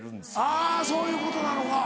あぁそういうことなのか。